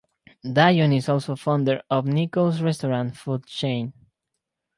Dion is also founder of Nickels Restaurant food chain.